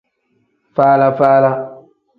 Faala-faala.